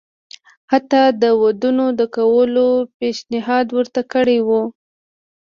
حتی د ودونو د کولو پېشنهاد ورته کړی وو.